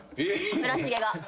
村重が。